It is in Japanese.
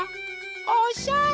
おしゃれ！